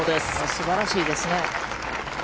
すばらしいですね。